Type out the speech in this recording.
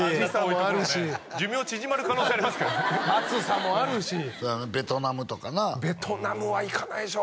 あんな遠いところね寿命縮まる可能性ありますから暑さもあるしベトナムとかなベトナムは行かないでしょ